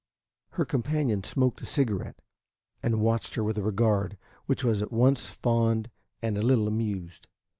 Her companion smoked a cigarette, and watched her with a regard which was at once fond and a little amused.